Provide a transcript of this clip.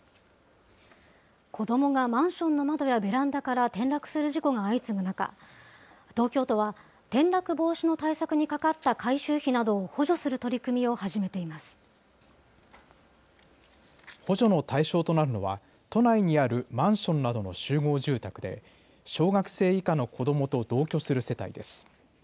子どもがマンションの窓やベランダから転落する事故が相次ぐ中、東京都は転落防止の対策にかかった改修費などを補助する取り組み補助の対象となるのは、都内にあるマンションなどの集合住宅で、小学生以下の子どもと同居する世帯です。